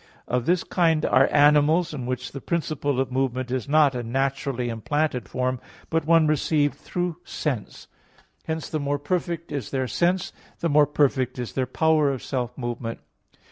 Of this kind are animals, in which the principle of movement is not a naturally implanted form; but one received through sense. Hence the more perfect is their sense, the more perfect is their power of self movement.